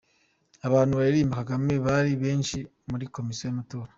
Abantu baririmba Kagame bari benshi kuri Komisiyo y'amatora .